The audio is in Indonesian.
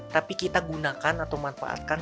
tapi kita gunakan atau manfaatkan